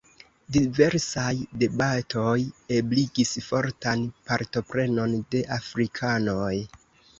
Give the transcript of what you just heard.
Diversaj debatoj ebligis fortan partoprenon de afrikanoj.